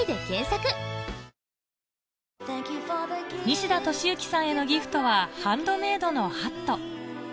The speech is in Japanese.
西田敏行さんへのギフトはハンドメイドのハット